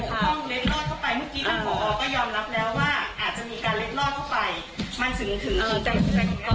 โรงเรียนมองว่าส่วนเนี่ยโรงเรียนบกท่องด้วยไหมคะ